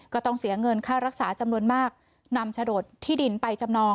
ก็ต้องเสียเงินค่ารักษาจำนวนมากนำโฉดที่ดินไปจำนอง